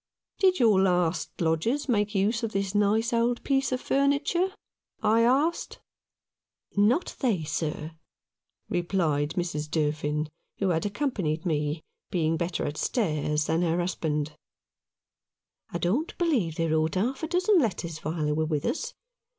" Did your last lodgers make use of this nice old piece of furniture ?" I asked. "Not they, sir," replied Mrs. Durfin, who had accompanied me, being better at stairs than her husband. "I don't believe they wrote half a dozen letters while they were with us.